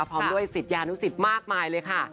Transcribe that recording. พร้อมด้วยสิทธิ์ยานุสิทธิ์มากมายเลยค่ะ